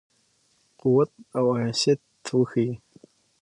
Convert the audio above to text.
قوت او حیثیت وښيي.